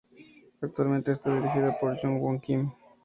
Actualmente está dirigida por Yong-Hwan Kim.